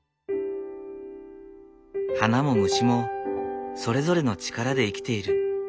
花も虫もそれぞれの力で生きている。